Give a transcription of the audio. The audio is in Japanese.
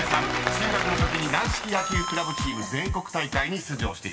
中学のときに軟式野球クラブチーム全国大会に出場しています］